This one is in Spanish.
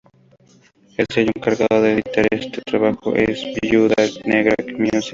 El sello encargado de editar este trabajo es "Viuda Negra Music".